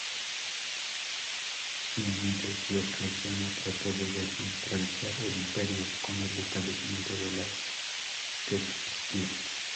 Finalmente, Diocleciano trató de descentralizar el Imperio con el establecimiento de la Tetrarquía.